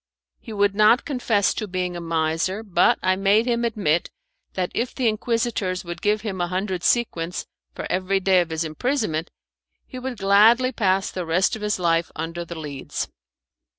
He would not confess to being a miser, but I made him admit that if the Inquisitors would give him a hundred sequins for every day of his imprisonment he would gladly pass the rest of his life under the Leads.